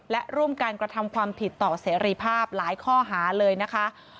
และร่วมการกระทำความผิดต่อเสรีภาพหลายข้อหาเลยนะคะ